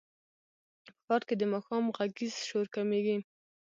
په ښار کې د ماښام غږیز شور کمېږي.